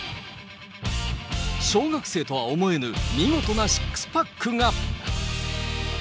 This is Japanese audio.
小学生とは思えぬ、見事なシックスパックが。